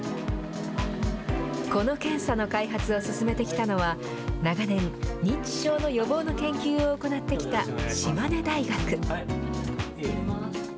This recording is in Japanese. この検査の開発を進めてきたのは、長年、認知症の予防の研究を行ってきた島根大学。